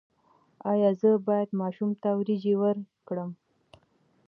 ایا زه باید ماشوم ته وریجې ورکړم؟